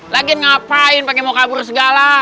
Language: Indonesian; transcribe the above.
lagi ngapain pengen mau kabur segala